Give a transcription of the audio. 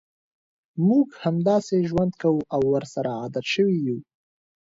موږ همداسې ژوند کوو او ورسره عادت شوي یوو.